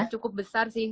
cukup besar sih